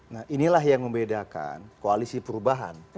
nah inilah yang membedakan koalisi perubahan